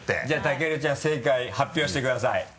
じゃあ健ちゃん正解発表してください。